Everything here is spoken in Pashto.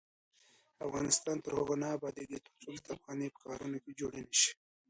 افغانستان تر هغو نه ابادیږي، ترڅو کتابخانې په ښارونو کې جوړې نشي.